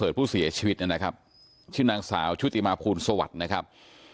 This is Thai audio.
กับนายประเสริฐผู้เสียชีวิตนะครับชื่อนางสาวชุธิมาพูลสวัสดิ์นะครับ